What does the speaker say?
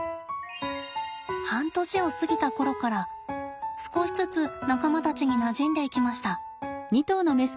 半年を過ぎた頃から少しずつ仲間たちになじんでいきました。